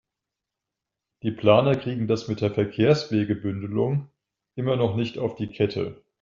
Die Planer kriegen das mit der Verkehrswegebündelung immer noch nicht auf die Kette.